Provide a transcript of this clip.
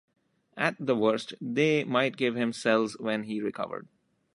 At the worst they might give him cells when he recovered.